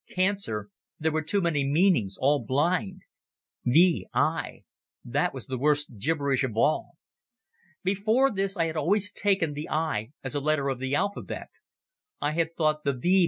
Cancer—there were too many meanings, all blind. v. I.—that was the worst gibberish of all. Before this I had always taken the I as the letter of the alphabet. I had thought the v.